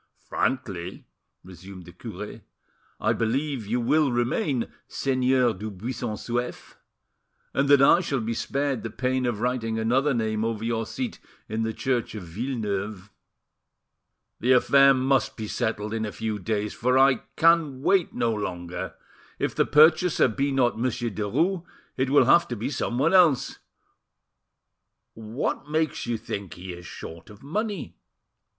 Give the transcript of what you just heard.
"Frankly," resumed the cure, "I believe you will remain Seigneur du Buisson Souef, and that I shall be spared the pain of writing another name over your seat in the church of Villeneuve." "The affair must be settled in a few days, for I can wait no longer; if the purchaser be not Monsieur Derues, it will have to be someone else. What makes you think he is short of money?"